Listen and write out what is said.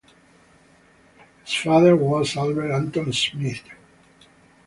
His father was Albert Anton Schmidt.